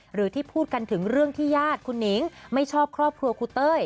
หรือที่พูดกันถึงเรื่องที่ญาติคุณหนิงไม่ชอบครอบครัวครูเต้ย